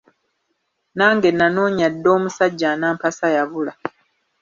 Nange nanoonya dda omusajja anampasa yabula.